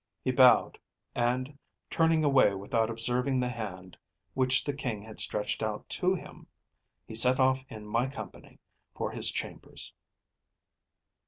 ‚ÄĚ He bowed, and, turning away without observing the hand which the King had stretched out to him, he set off in my company for his chambers.